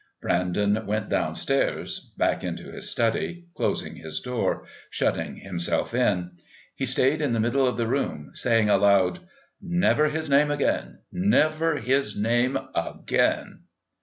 Brandon went downstairs, back into his study, closing his door, shutting himself in. He stayed in the middle of the room, saying aloud: "Never his name again.... Never his name again."